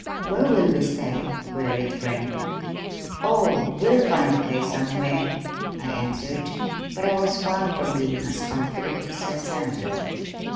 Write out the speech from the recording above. "Where will we stay?" queried Frank. "Oh, we'll find a place somewhere," I answered, but I was far from being as confident as I sounded.